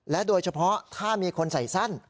โดยเฉพาะถ้ามีคนใส่สั้น